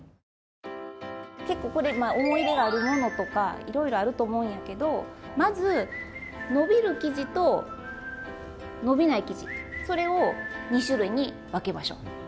結構これ思い入れのあるものとかいろいろあると思うんやけどまず伸びる生地と伸びない生地それを２種類に分けましょう。